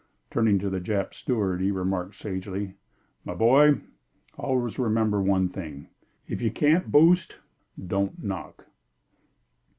Turning to the Jap steward, he remarked, sagely: "My boy, always remember one thing if you can't boost, don't knock."